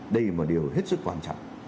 đây mà điều hết sức quan trọng